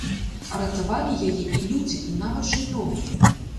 А ратавалі яе і людзі, і нават жывёлы!